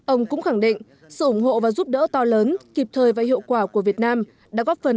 ông cũng khẳng định sự ủng hộ và giúp đỡ to lớn kịp thời và hiệu quả của việt nam đã góp phần